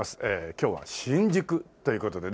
今日は新宿という事でね。